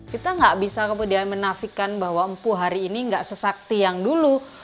kita nggak bisa kemudian menafikan bahwa empu hari ini nggak sesakti yang dulu